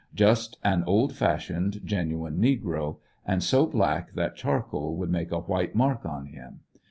Just an old fashioned, genuine negro, and so black that charcoal would make a white mark on him.